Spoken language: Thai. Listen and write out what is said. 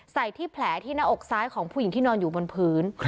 ใส่ที่แผลที่หน้าอกซ้ายของผู้หญิงที่นอนอยู่บนพื้น